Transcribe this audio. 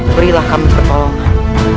berilah kami pertolongan